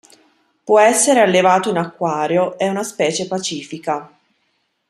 Può essere allevato in acquario, è una specie pacifica.